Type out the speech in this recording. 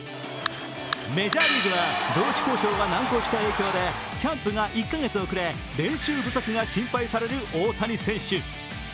メジャーリーグは労使交渉が難航した影響でキャンプが１カ月遅れ練習不足が心配される大谷選手。